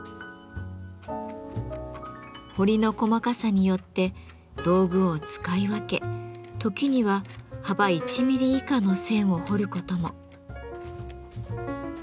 彫りの細かさによって道具を使い分け時には幅１ミリ以下の線を彫ることも。